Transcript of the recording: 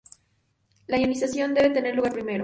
La ionización debe tener lugar primero.